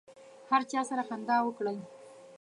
هر چا سره خندا وکړئ.